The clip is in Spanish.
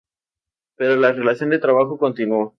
Pero la relación de trabajo continuó.